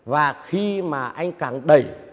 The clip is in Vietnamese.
và khi mà anh càng đẩy